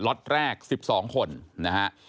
ล็อตแรก๑๒คนนะครับ